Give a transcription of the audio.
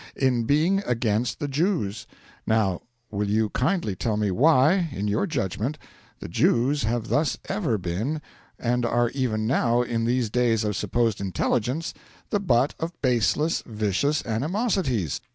in being against the Jews. Now, will you kindly tell me why, in your judgment, the Jews have thus ever been, and are even now, in these days of supposed intelligence, the butt of baseless, vicious animosities?